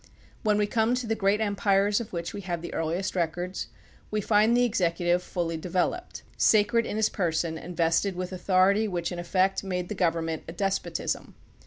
When we come to the great empires of which we have the earliest records, we find the executive fully developed, sacred in his person, and vested with authority which in effect made the government a despotism.